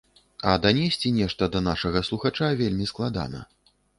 А данесці нешта да нашага слухача вельмі складана.